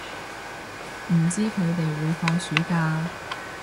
唔知佢哋會放暑假